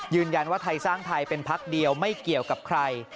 ยืนยันว่าไทยสร้างไทยเป็นพักเดียวไม่เกี่ยวกับใคร